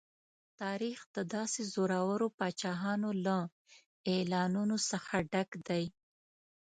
تاریخ د داسې زورورو پاچاهانو له اعلانونو څخه ډک دی.